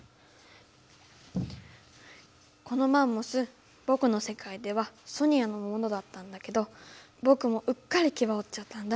このマンモスぼくのせかいではソニアのものだったんだけどぼくもうっかりキバをおっちゃったんだ。